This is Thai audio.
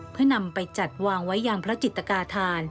เพื่อนำไปจัดวางไว้อย่างพระจิตกาธาน